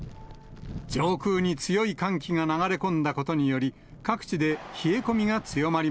上空に強い寒気が流れ込んだことにより、各地で冷え込みが強まり